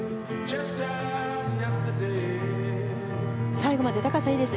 最後まで高さいいです。